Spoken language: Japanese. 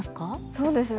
そうですね。